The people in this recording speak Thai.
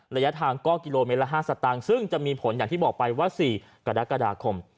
ระยะทางก็กิโลเมตรละ๕สตางค์ซึ่งจะมีผลอย่างที่บอกไปว่า๔กรกฎาคม